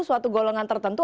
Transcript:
suatu golongan tertentu